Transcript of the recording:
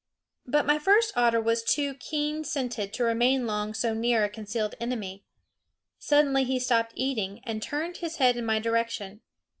But my first otter was too keen scented to remain long so near a concealed enemy. Suddenly he stopped eating and turned his head in my direction.